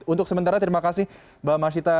untuk sementara terima kasih mbak masita